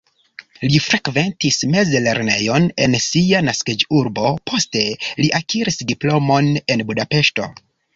Li frekventis mezlernejon en sia naskiĝurbo, poste li akiris diplomon en Budapeŝto.